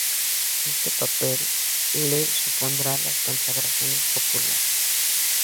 Este papel le supondrá la consagración popular.